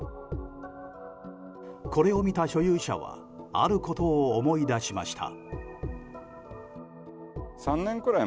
これを見た所有者はあることを思い出しました。